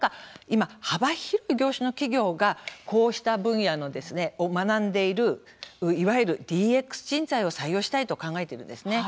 今、幅広い業種の企業がこうした分野を学んでいるいわゆる「ＤＸ人材」を採用したいと考えているんです。